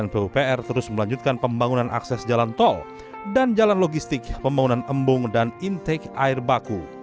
pupr terus melanjutkan pembangunan akses jalan tol dan jalan logistik pembangunan embung dan intake air baku